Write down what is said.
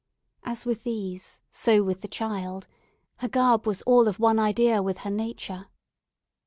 As with these, so with the child; her garb was all of one idea with her nature.